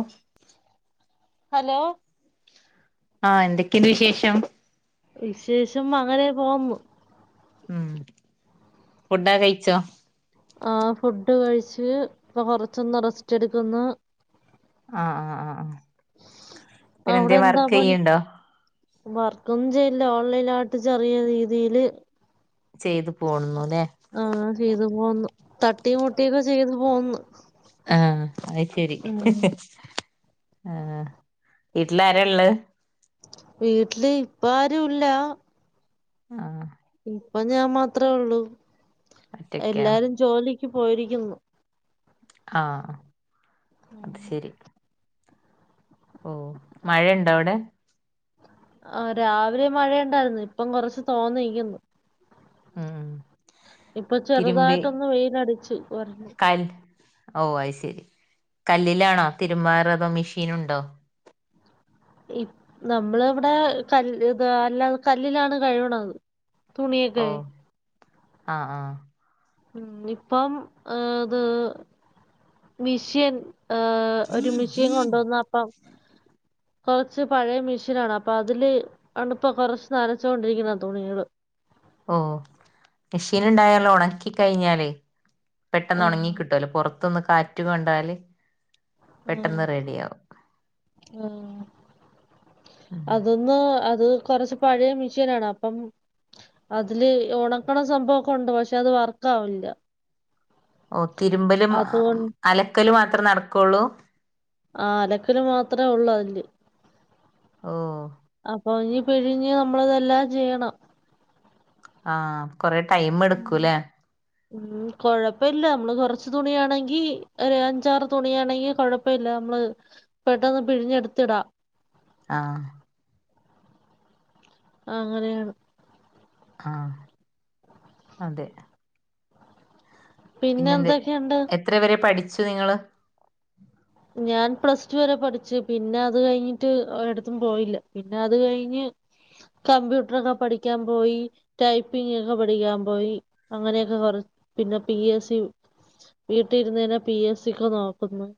ഓഹ് hello ആഹ് എന്തൊക്കെയുണ്ട് വിശേഷം വിശേഷം അങ്ങനെ പോകുന്നു. ഉം ഫുഡൊക്കെ കഴിച്ചോ ആ ഫുഡ് കഴിച്ച്, ഇപ്പൊ കൊറച്ചൊന്ന് റസ്റ്റ് എടുക്കുന്നു. ആഹ് ആഹ് ആഹ് ആഹ് പിന്നെ എന്തേ അവിടെ എന്താ വർക്ക് പണി ചെയ്യണ്ടോ വർക്കൊന്നും ചെയ്യില്ല ഓൺലൈനായിട്ട് ചെറിയ രീതിയില് ചെയ്ത് പോവുന്നുല്ലേ. ഉം ചെയ്തു പോവുന്നു. തട്ടിം മുട്ട്യൊക്കെ ചെയ്ത് പോവുന്നു. ആഹ് അത് ശെരി ഉം വീട്ടിലാരാള്ളത്? വീട്ടില് ഇപ്പാരുല്ല. ഉം ഇപ്പൊ ഞാൻ മാത്രേ ഒള്ളൂ. ഒറ്റക്കാണ് എല്ലാരും ജോലിക്ക് പോയിരിക്കുന്നു. ആഹ് അത് ശെരി ഉം മഴണ്ടോ വടെ? ആഹ് രാവിലെ മഴയുണ്ടായിരുന്നു. ഇപ്പം കൊറച്ച് തോന്നിക്കുന്നു. ഉം ഉം ഇപ്പൊ തിരുമ്പി ചെറ്തായിട്ടൊന്ന് വെയിലടിച്ചു വന്നു. ഓഹ് അത് ശെരി കല്ലിലാണോ തിര്മ്പാറ് അതോ മെഷീന്ണ്ടോ? ഇപ് നമ്മള് വടെ കല്ല് ഇത് അല്ലാതെ കല്ലിലാണ് കഴുകണത്. തുണിയൊക്കെ ഓഹ് ആഹ് ആഹ്. ഇപ്പം ഏഹ് ത് മിഷ്യൻ ഏഹ് ഒരു മിഷീൻ കൊണ്ടോന്നപ്പം ഉ [inaudible] കൊറച്ച് പഴേ മെഷീനാണ് അപ്പൊ അതില് ആണ്പ്പോ കൊറച്ച് നനച്ചോണ്ടിരിക്കുന്നത് തുണികള് ഓഹ് മെഷീന്ണ്ടായാല് ഒണക്കി കഴിഞ്ഞാല് പെട്ടെന്നൊണങ്ങി ആഹ് കിട്ടൊല്ലോ പൊറത്ത്ന്ന് കാറ്റ് കൊണ്ടാല് ഉം പെട്ടെന്ന് റെഡിയാവും ഉം ഉം അതിന്ന് അത് കൊറച്ച് പഴയ മിഷീനാണ് അപ്പം അതില് ഒണക്കണ സംഭവൊക്കെ ണ്ട്. പക്ഷെ അത് വർക്കാവ് ല്ല. ഓ തിര്മ്പലും അതുകൊ അലക്കല് മാത്രേ നടക്കൊള്ളൂ. ആഹ് അലക്കല് മാത്രേ ഉള്ളൂ അയ്ല് ഓ അപ്പൊ ഇഞ് പിഴിഞ്ഞ് നമ്മളതെല്ലാം ചെയ്യണം. ആഹ് കൊറെ ടൈംമ്ട്ക്കൂ ല്ലേ. ഉം കൊഴപ്പല്ല അമ്മള് കൊറച്ച് തുണിയാണെങ്കി ഒരഞ്ചാറ് തുണിയാണെങ്കി കൊഴപ്പല്ല. നമ്മള് പെട്ടെന്ന് പിഴിഞ്ഞെട്ത്ത്ടാം ആഹ് അങ്ങനെയാണ് ആഹ് അതെ പിന്നെ പിന്നെന്ത് എന്തൊക്കെയുണ്ട് എത്ര വരെ പഠിച്ചു നിങ്ങള്? ഞാൻ പ്ലസ് ടു വരെ പഠിച്ചു പിന്നെ അത് കഴിഞ്ഞിട്ട് ഒരടത്തും പോയില്ല പിന്നെ അത് കഴിഞ്ഞ് കമ്പ്യൂട്ടറൊക്കെ പഠിക്കാൻ പോയി ടൈപ്പിങ്ങൊക്കെ പഠിക്കാൻ പോയി. അങ്ങനെയൊക്കെ കൊറ പിന്നെ പി എസ് സി വീട്ടിലിര്ന്ന്ന്നെ പി എസ് സി ക്ക് നോക്കുന്നു.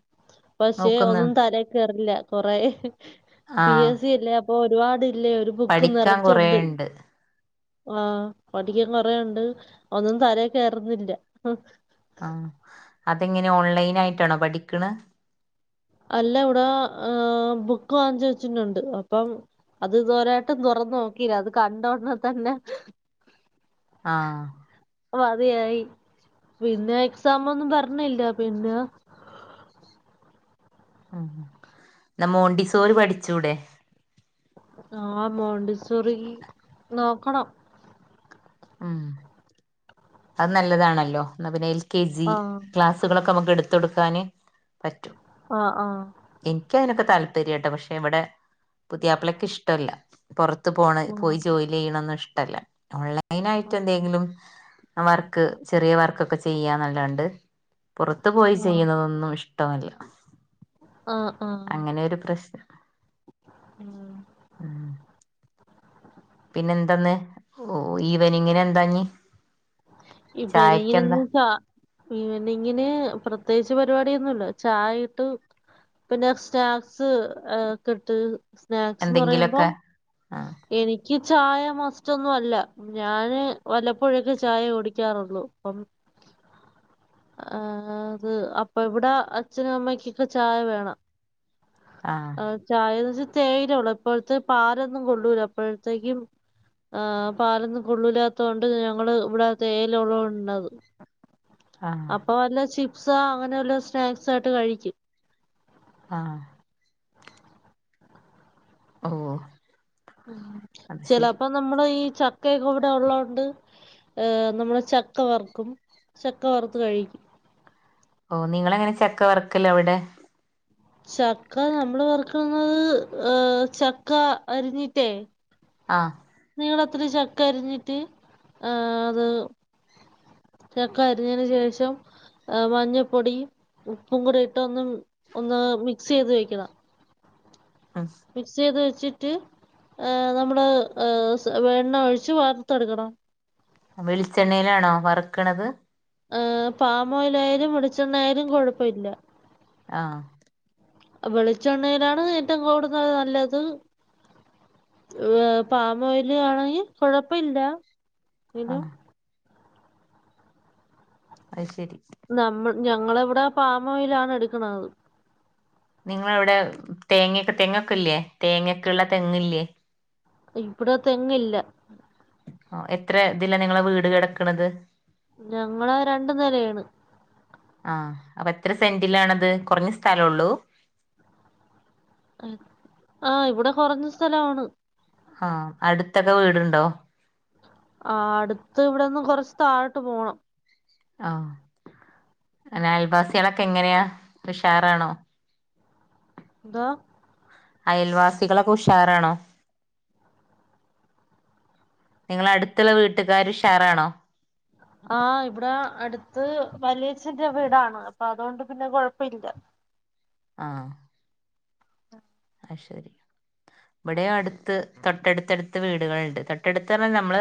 പക്ഷെ നോക്കുന്ന് ഒന്നും തലേ കേറില്ല കൊറേ പി ആഹ് എസ് സി അല്ലേ അപ്പൊ ഒരുപാട് ല്ലെ ഒരു ബുക്ക് പഠിക്കാൻ നറച്ചുണ്ട്. കൊറേണ്ട് ആഹ് പഠിക്കൻ കൊറേണ്ട് ഒന്നും തലേ കേറ്ന്നില്ല. ആഹ് അതെങ്ങനെ ഓൺലൈനായിട്ടാണോ പഠിക്ക്ണ്? അല്ല ഇവടെ ഏഹ് ബുക്ക് വാങ്ങിച്ചു വെച്ചിട്ടുണ്ട് അപ്പം അത് ഇതേവരായിട്ടും തൊറന്ന് നോക്കില്ല അത് കണ്ടോടനെ തന്നെ ആഹ് ഇപ്പൊ അത് ഏയി പിന്നെ എക്സാം ഒന്നും പറഞ്ഞില്ല പിന്നെ ഉം ന്നാ മോണ്ടി സോര് പഠിച്ചൂടെ? ആഹ് മോണ്ടി സോറി നോക്കണം. ആഹ് അത് നല്ലതാണല്ലോ ന്നാ പിന്നെ എ കെ ജി ആഹ് ക്ലാസുകളൊക്കെ നമുക്ക് എടുത്തൊടുക്കാന് പറ്റും. ആഹ് ആഹ് ഇൻക്ക് അയിനൊക്കെ താല്പര്യട്ടോ പക്ഷെ ഇവിടെ പുതിയാപ്ലക്ക് ഇഷ്ടല്ല. പുറത്ത് പോണത് ആഹ് പോയി ജോലി ചെയ്യണന്നും ഇഷ്ടല്ല ഓൺലൈനായിട്ട് ആഹ് എന്തെങ്കിലും വർക്ക് ചെറിയ വർക്കൊക്കെ ചെയ്യാന്നല്ലാണ്ട് പുറത്ത് പോയി ആഹ് ചെയ്യുന്നതൊന്നും ഇഷ് ട്ടമല്ല. ആഹ് ആഹ് അങ്ങനെയൊരു പ്രശ് ഉം ഉം പിന്നെന്താന്ന് ഓഹ് ഈവനിങ്ങിനെന്താഞ്ഞ് ഇവരെങ്ങിനിന്ന് ചാ ഈവനിങ്ങിന് പ്രത്യേകിച്ച് പരിപാടിയൊന്നുല്ല ചായ ഇട്ട് പിന്നെ സ്നാക്സ് ആഹ് കെട്ട് സ്നാക്സ്ന്ന് എന്തെങ്കിലൊക്കെ പറയുമ്പം ആഹ് എനിക്ക് ചായ മസ്റ്റൊന്നും അല്ല ഞാന് വല്ലപ്പോഴൊക്കെ ചായ ഉടി ക്കാറുള്ളൂ അപ്പം ആഹ് അത് അപ്പൊ ഇവിടെ അച്ഛനും അമ്മക്കൊക്കെ ചായ വേണം. ആഹ് ചായന്ന് വെച്ച തേയിലേ ഉള്ളൂ ഇപ്പോഴത്തെ പാലൊന്നും കൊള്ളൂല അപ്പോഴത്തേക്കും. ആഹ് പാലൊന്നും കൊള്ളില്ലാത്ത കൊണ്ട് ഞങ്ങള് ഇവിടെ തേയില ഉള്ളൊണ്ടത് ആഹ് അപ്പൊ വല്ല ചിപ്സൊ അങ്ങനെല്ല സ്നാക്സ് ആയിട്ട് കഴിക്കും. ആഹ് ഓഹ് ഉം ചിലപ്പോ നമ്മള് ഈ ചക്കയൊക്കെ ഇവിടെ ഉള്ളതോണ്ട് ഏഹ് നമ്മുടെ ചക്ക വറുക്കും ചക്ക വറുത്ത് കഴി ഓഹ് നിങ്ങളെങ്ങനെ ചക്ക വർക്കല് അവിടെ? ചക്ക നമ്മള് വറുക്കുന്നത് ഏഹ് ചക്ക അരിഞ്ഞിട്ടേ ആഹ് നീളത്തില് ചക്ക അരിഞ്ഞിട്ട് ആഹ് അത് ചക്ക അരിഞ്ഞതിന് ശേഷം ഏഹ് മഞ്ഞപ്പൊടി ഉപ്പും കൂടി ഇട്ടൊ ഒന്നു ഒന്ന് മിക്സ്യ്ത് വെക്കണം. ആഹ് മിക്സ് ചെയ്ത് വെച്ചിട്ട് ആഹ് നമ്മള് ഏഹ് സ് വെണ്ണ ഒഴിച്ച് വർത്തെടുക്കണം വെളിച്ചെണ്ണയിലാണോ വറുക്കണത് ആഹ് പാമോയിലായാലും വെളിച്ചെണ്ണ ആയാലും കൊഴപ്പയില്ല ആഹ് വെളിച്ചെണ്ണയിലാണ് ഏറ്റവും കൂടുതൽ നല്ലത് ഏഹ് പാമോയില് ആണെങ്കിൽ കൊഴപ്പയില്ല ങ്കിലും ആഹ് അത് ശരി നമ്മൾ ഞങ്ങളെവിടെ പാമോയിലാണ് എടുക്കുന്നത് നിങ്ങളവിടെ തേങ്ങക്കെ തെങ്ങൊക്ക ഇല്ലേ? തേങ്ങ ഒക്കെയുള്ള തെങ്ങില്ലേ? ഇവിടെ തെങ്ങ് ഇല്ല ആ എത്ര ഇതില നിങ്ങളെ വീട് കിടക്കണത്? ഞങ്ങള് രണ്ടു നിലയാണ് ആ അപ്പൊ എത്ര സെന്റിലാണത് കുറഞ്ഞ സ്ഥലം ഉള്ളൂ. ആ ഇവിടെ കുറഞ്ഞ സ്ഥലാണ് അ അടുത്തൊക്കെ വീടുണ്ടോ? ആ അടുത്ത് ഇവിടെന്ന് കൊറച്ച് താഴോട്ട് പോണം. ആഹ, എങ്ങനെ അൽവാസികളൊക്കെ എങ്ങനെയാ ഉഷാറാണോ? എന്തോ അയൽവാസികളൊക്കെ ഉഷാറാണോ? നിങ്ങള അടുത്തുള്ള വീട്ടുകാർ ഉഷാറാണോ? ആ ഇവിടെ അടുത്ത് വലിയച്ചന്റെ വീടാണ് അപ്പൊ അതുകൊണ്ട് പിന്നെ കുഴപ്പല്ല. ആഹ് അഹ് ശരി ഇവിടെ അടുത്ത് തൊട്ടടുത്തടുത്ത് വീടുകളുണ്ട്. തൊട്ടടുത്ത് പറഞ്ഞാ നമ്മള്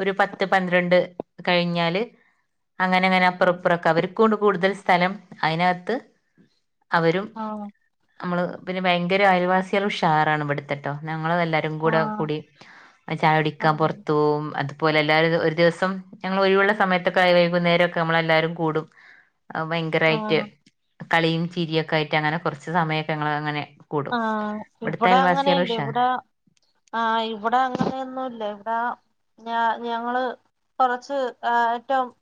ഒരു പത്ത് പന്ത്രണ്ട് കഴിഞ്ഞാല് അങ്ങനെ അങ്ങനെ ആഹ് അപ്പുറപ്പറൊക്കെ അവർക്കും ഉണ്ട്. കൂടുതൽ സ്ഥലം അയിനതിനകത്ത് അവരും ആണോ നമ്മള് പിന്നെ ഭയങ്കര അയിവാസികൾ ഉഷാറാണ് ഇവിടുത്തെട്ടോ, ഞങ്ങളെല്ലാ എല്ലാരും കൂടെ ആഹ് കൂടി ചായ കുടിക്കാൻ പുറത്ത് പോകും. ഇതുപോലെ എല്ലാരും ഒരു ദിവസം ഞങ്ങൾ ഒഴിവുള്ള സമയത്തൊക്കെ വൈകുന്നേരമൊക്കെ നമ്മളെല്ലാരും കൂടും. ഔ ഭയങ്കരായിട്ട് ആഹ് കളിയും ചിരിയൊക്കെ ആയിട്ട് അങ്ങനെ കുറച്ച് സമയമൊക്കെ ഞങ്ങള് അങ്ങനെ കൂടും ആ ഇവിടുത്തെ ഇവിടെ അങ്ങനെ അയൽവാസികള് ഇല്ല ഉഷാറാ ഇവിടെ ആ ഇവിടെ അങ്ങനെയൊന്നും ഇല്ല ഇവിടെ ഞ ഞങ്ങള് കൊറച്ച് [unintelligible]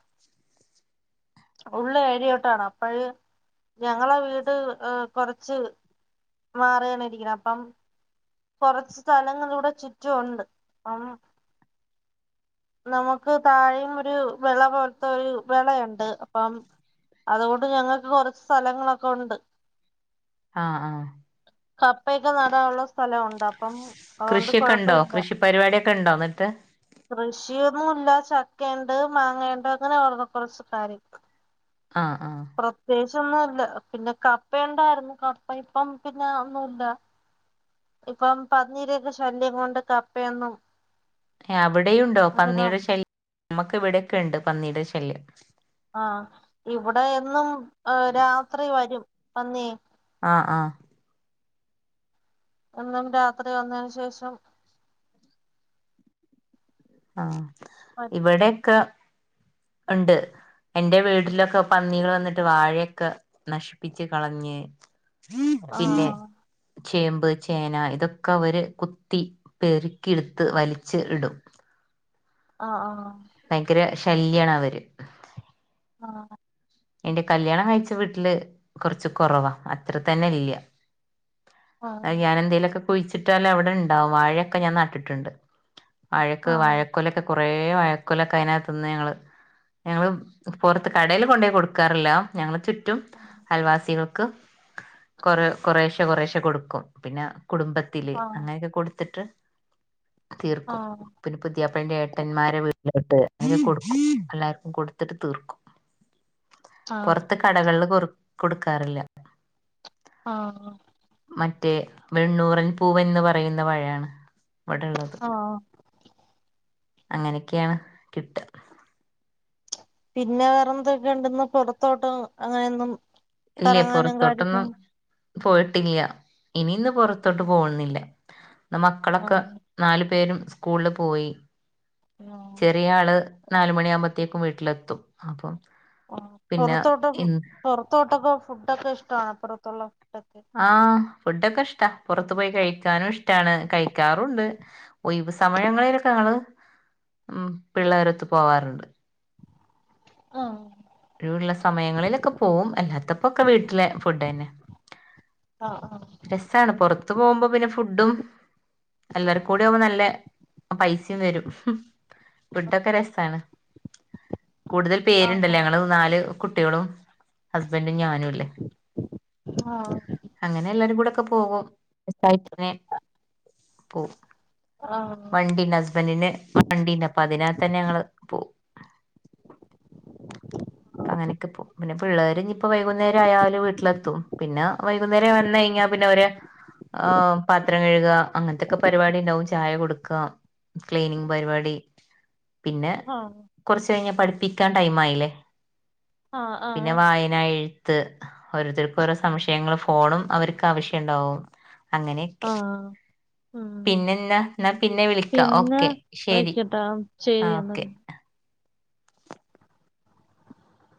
ഉള്ള ഏരിയോട്ടാണ് അപ്പഴ് ഞങ്ങളെ വീട് ഹ് കൊറച്ച് മാറിയാണ് ഇരിക്കണ് അപ്പം കൊറച്ച് സ്ഥലങ്ങളിലൂടെ ചുറ്റും ഉണ്ട്. അപ്പം നമുക്ക് താഴെയും ഒരു വിള പോലത്തെ ഒരു വിളയുണ്ട്. അപ്പം അതുകൊണ്ട് ഞങ്ങൾക്ക് കൊറച്ച് സ്ഥലങ്ങളൊക്കെ ഉണ്ട്. അ ആ കപ്പയൊക്കെ നടാനുള്ള സ്ഥലം മുണ്ട്. അപ്പം അതുകൊണ്ട് കൃഷിയൊക്കെ കൊഴപ്പ ഉണ്ടോ? കൃഷി പരിപാടിയൊക്കെ ഉണ്ടോ? എന്നിട്ട് കൃഷിയൊന്നും ഇല്ല ചക്കണ്ട് മാങ്ങയുണ്ട് അങ്ങനെ അവടെന്ന കുറച്ച് കാര്യങ്ങള് അ ആ പ്രത്യേകിച്ച് ഒന്നും ഇല്ല പിന്നെ കപ്പയുണ്ടായിരുന്നു. കപ്പ ഇപ്പം പിന്നെ ഒന്നുല്ല്യ ഇപ്പം പന്നീരൊക്കെ ശല്യം കൊണ്ട് കപ്പയൊന്നും അവിടെയുണ്ടോ അധികം പന്നിയുടെ ശല്യം നമ്മുക്ക് ഇവിടെയൊക്കെ ഉണ്ട് പന്നിയുടെ ശല്യം. ആ ഇവിടെ എന്നും രാത്രി വരും പന്നി. അ ആ എന്നും രാത്രി വന്നതിന് ശേഷം ആഹ് വരും ഇവിടെക്ക ഉണ്ട് എന്റെ വീട്ടിലൊക്കെ പന്നികൾ വന്നിട്ട് വാഴേക്ക നശിപ്പിച്ച് കളഞ്ഞ് പിന്നെ ആഹ് ചേമ്പ് ചേന ഇതൊക്കെ അവര് കുത്തി പെറുക്കിടുത്ത് വലിച്ച് ഇടും. ആഹ് ആഹ്. ഭയങ്കര ശല്യാണ് അവര്. ആഹ. എന്റെ കല്യാണം കഴിച്ച വീട്ടില് കുറച്ച് കുറവാ അത്ര തന്നെ ഇല്യാ. അത് ആഹ് ഞാനെന്തേലൊക്കെ കുഴിച്ചിട്ടാല് അവിടെണ്ടാവും വാഴെക്കെ ഞാൻ നട്ടിട്ടുണ്ട്. വാഴക്ക് ആഹ് വാഴക്കൊലെക്ക. കൊറേ വഴക്കൊലെക്ക അതിനാത്ത്ന്ന് ഞങ്ങള്, ഞങ്ങള് പുറത്ത് കടെല് കൊണ്ടോയി കൊടുക് ക്കാറില്ല ഞങ്ങള് ചുറ്റും അയൽവാസികൾക്ക്. കൊറെ കൊറെശ്ശെ, കൊറെശ്ശെ കൊടുക്കും പിന്നെ കുടുംബത്തില് ആഹ് അങ്ങനെക്കെ കൊടുത്തിട്ട്. തീർക്കും. ആഹ് പിന്നെ പുതിയാപ്പളെൻ്റെ ഏട്ടന്മാരെ വീട്ടിലോട്ട് അങ്ങനെ കൊടുക്കും. എല്ലാർക്കും കൊടുത്തിട്ട് തീർക്കും. ആഹ് പൊറത്ത് കടകളില് കൊ കൊടുക്കാറില്ല. ആഹ. മറ്റേ വെണ്ണൂറൻ പൂവൻന്ന് പറയുന്ന പഴാണ് ഇവിടെള്ളത്. ആഹ്. അങ്ങനെക്കെയാണ് കിട്ട. പിന്നെ വേറെന്തൊക്കെണ്ട്ന്ന് പൊറത്തോട്ട് അങ്ങനെന്നും. ഇല്ലേ പൊറത്തോട്ടൊന്നും. പോയിട്ടില്യാ ഇനി ഇന്ന് പൊറത്തോട്ട് പോകുന്നില്ല ഇന്ന് മക്കളൊക്ക. ആഹ് നാലു പേരും സ്കൂളില് പോയി. ആഹ് ചെറിയാള്. നാലുമണിയാകുമ്പോത്തേക്കും വീട്ടിലെത്തും അപ്പോ. ആഹ് പൊറത്തോട്ട് പൊറത്തോട്ടൊക്കെ ഫുഡൊക്കെ ഇഷ്ടാണോ പുറത്തുള്ള ഫുഡൊക്കെ. ആഹ് ഫുഡ്ഡോക്കെ ഇഷ്ടാ പുറത്തു പോയി കഴിക്കാനും ഇഷ്ടാണ്. കഴി ക്കാറുണ്ട് ഒയിവ് സമയങ്ങളിലൊക്കെ ഞങ്ങള്. ഉം പിള്ളേരൊത്ത് പോവാറുണ്ട്. ആഹ്. ഒഴിവുള്ള സമയങ്ങളിലൊക്കെ പോവും. അല്ലാത്തപ്പോക്കെ വീട്ടിലെ ഫുഡ് തന്നെ. ആഹ്, ആഹ്. രസാ ണ് പൊറത്ത് പോകുമ്പോ പിന്നെ ഫുഡും. എല്ലാർക്കും കൂടി ആകുമ്പ നല്ല പൈസേം വരും. ഫുഡൊക്കെ രസ്സാണ്. കൂടുതൽ ആഹ് പേരുണ്ടല്ലേ ഞങ്ങള് നാല് കുട്ടികളും ഹസ്ബന്റും ഞാനുല്ലേ. ആഹ്. പിന്നെ എല്ലാരും കൂടെക്കെ പോകും രസ്സായിട്ട്ന്നെ പോകും. ആഹ് വണ്ടിണ്ട് ഹസ്ബന്റിന് വണ്ടീണ്ട് അപ്പൊ അതിനാത്തന്നെ ഞങ്ങള് പോകും. അങ്ങനെക്ക പോവും. പിന്നെ പിള്ളേര് ഇഞ്ഞിപ്പ വൈകുന്നേരം ആയാല് വീട്ടിലെത്തും. പിന്ന വൈകുന്നേരം വന്ന് കഴിഞ്ഞാ പിന്നെ അവര്. ആഹ് പാത്രം കഴ്ക അങ്ങനത്തെക്ക പരിപാടിണ്ടാവും ചായ കൊടുക്ക. ക്ലീനിങ് പരിപാടി പിന്നെ. ആഹ്. കൊറച്ച് കഴിഞ്ഞ പഠിപ്പിക്കാൻ ടൈം ആയില്ലേ. ആഹ് പിന്നെ ആഹ് വായന എഴുത്ത് ഓരോരുത്തർക്ക് ഓരോ സംശയങ്ങള്. ഫോണും അവർക്ക് ആവശ്യം ഉണ്ടാവും. അങ്ങനെക്കെ. ആഹ് ഉം പിന്നെന്നാ എന്നാ പിന്നെ വിളിക്കാം പിന്നെ ഓക്കെ ശരി, വെക്കട്ടാ ശരി ആഹ് എന്നാ ഓക്കെ.